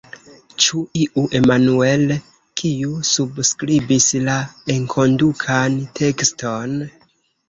Ĉu iu Emmanuel, kiu subskribis la enkondukan tekston?